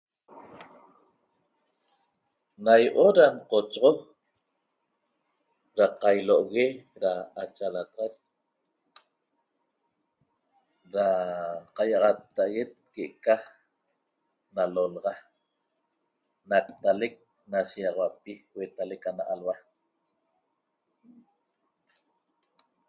NAM IOT DA NCACHOXO da QAILOOGEE DA CHALATAXAQ DA QAIAXATTAXET QEE' CA NanOLOLAXA NAT TALEQ ENA SHIXAUAPI UETALEQ ANA ALU´A